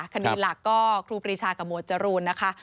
คดีหลักก็ครูปรีชากับหมวดจรูนนะคะ